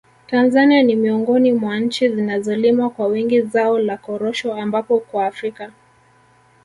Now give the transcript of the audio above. Tanzania ni miongoni mwa nchi zinazolima kwa wingi zao la korosho ambapo kwa Afrika